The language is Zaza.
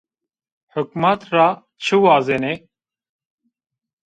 Hukmat ra çi wazenê?